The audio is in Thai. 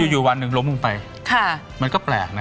อยู่อยู่วันหนึ่งล้มลงไปค่ะมันก็แปลกนะฮะอ๋อ